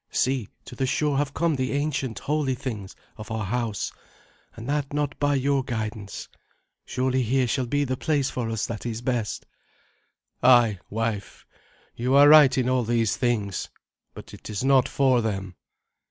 See, to the shore have come the ancient holy things of our house, and that not by your guidance. Surely here shall be the place for us that is best." "Ay, wife; you are right in all these things, but it is not for them."